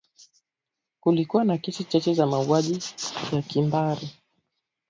kulikuwa na kesi chache za mauaji ya kimbari